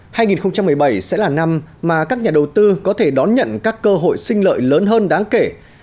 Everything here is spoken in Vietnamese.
năm hai nghìn một mươi bảy sẽ là năm mà các nhà đầu tư có thể đón nhận các cơ hội sinh lợi lớn hơn đáng kể